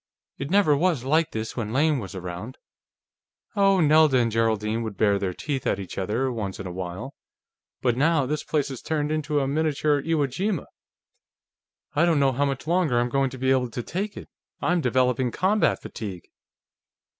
"It never was like this when Lane was around. Oh, Nelda and Geraldine would bare their teeth at each other, once in a while, but now this place has turned into a miniature Iwo Jima. I don't know how much longer I'm going to be able to take it. I'm developing combat fatigue."